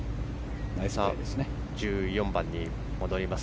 １４番に戻ります。